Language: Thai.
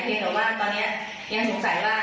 เพียงแต่ว่าตอนเนี้ย